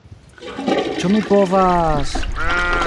Ĉu mi povas...?